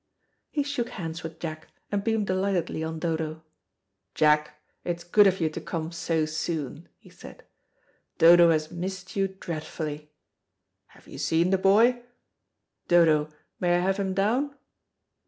He shook hands with Jack, and beamed delightedly on Dodo. "Jack, it is good of you to come so soon," he said; "Dodo has missed you dreadfully. Have you seen the boy? Dodo, may I have him down?"